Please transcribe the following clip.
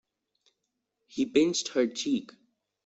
He pinched her cheek.